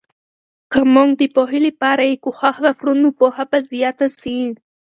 که موږ د پوهې لپاره یې کوښښ وکړو، نو پوهه به زیاته سي.